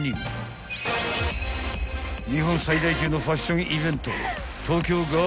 ［日本最大級のファッションイベント］